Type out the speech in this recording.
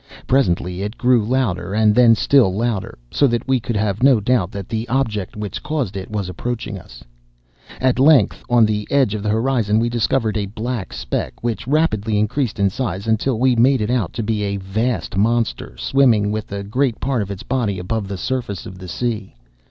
Presently it grew louder, and then still louder, so that we could have no doubt that the object which caused it was approaching us. At length, on the edge of the horizon, we discovered a black speck, which rapidly increased in size until we made it out to be a vast monster, swimming with a great part of its body above the surface of the sea.